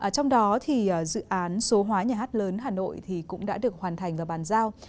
trong đó thì dự án số hóa nhà hát lớn hà nội cũng đã được hoàn thành và bàn giao